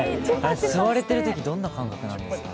吸われてるとき、どんな感じなんですか。